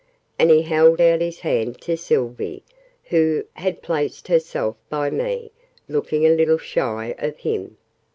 And he held out his hand to Sylvie, who had placed herself by me, looking a little shy of him.